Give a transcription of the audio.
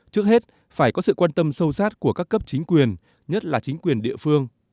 trước hết phải có sự quan tâm sâu sát của các cấp chính quyền nhất là chính quyền địa phương